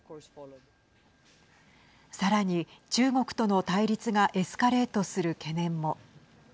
さらに、中国との対立がエスカレートする懸念も。